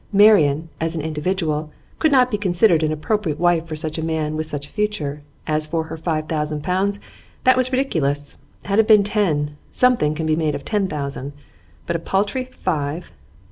Marian, as an individual, could not be considered an appropriate wife for such a man with such a future; and as for her five thousand pounds, that was ridiculous. Had it been ten something can be made of ten thousand; but a paltry five!